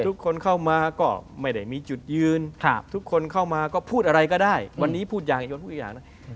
ทุกคนเข้ามาก็ไม่ได้มีจุดยืนทุกคนเข้ามาก็พูดอะไรก็ได้วันนี้พูดอย่างยนพูดอีกอย่างหนึ่ง